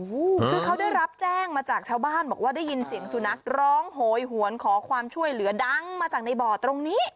คือเขาได้รับแจ้งมาจากชาวบ้านบอกว่าได้ยินเสียงสุนัขร้องโหยหวนขอความช่วยเหลือดังมาจากในบ่อตรงนี้